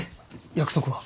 約束は？